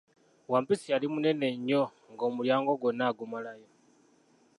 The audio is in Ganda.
Wampisi yali munene nnyo nga omulyango gwonna agumalayo.